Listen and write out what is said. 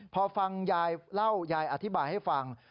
พอฟังยายเล่ายายอธิบายให้ฟัง